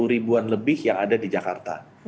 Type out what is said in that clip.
dua puluh ribuan lebih yang ada di jakarta